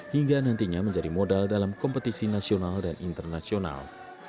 hingga nantinya menjadi modal dalam kompetisi nasional dan internasional